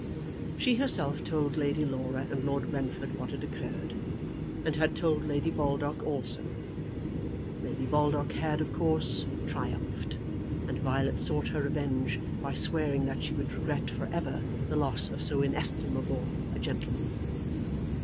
She herself told Lady Laura and Lord Brentford what had occurred, and had told Lady Baldock also. Lady Baldock had, of course, triumphed, and Violet sought her revenge by swearing that she would regret for ever the loss of so inestimable a gentleman.